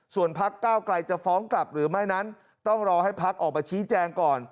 ส่วนพักเก้าไกลจะฟ้องกลับหรือไม่นั้นต้องรอให้พักออกมาชี้แจงก่อน